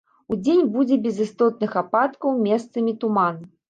Удзень будзе без істотных ападкаў, месцамі туман.